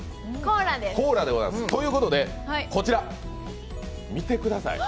コーラです！ということでこちら、みてください。